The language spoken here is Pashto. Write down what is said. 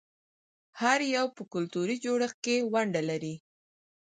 هر یو په کلتوري جوړښت کې ونډه لري.